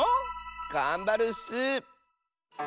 がんばるッス！